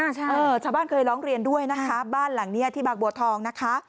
อาจารย์เคยเรียนด้วยบ้านหลังนี้ที่บากบัลทอง